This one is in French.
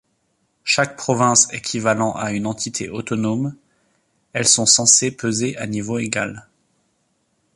Chaque province équivalant à une entité autonome, elles sont censées peser à niveau égal.